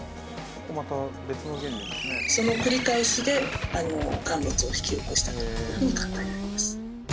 その繰り返しであの陥没を引き起こしたというふうに考えられます。